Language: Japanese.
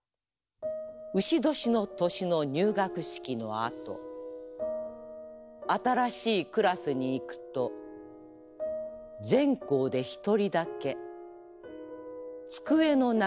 丑年の年の入学式のあと新しいクラスに行くと全校で１人だけ机の中に手紙が入っているという。